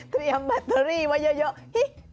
เตรียมแบตเตอรี่มาเยอะฮิ